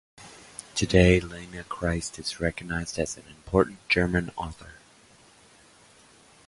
Today Lena Christ is recognized as an important German author.